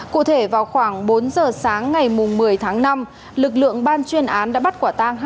cụ thể vào khoảng bốn giờ sáng ngày một mươi tháng năm lực lượng ban chuyên án đã bắt quả tang